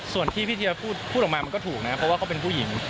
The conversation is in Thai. ส่วนที่พี่เทียพูดออกมามันก็ถูกนะครับเพราะว่าเขาเป็นผู้หญิง